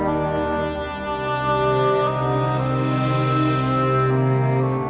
kalau actornya kemana mana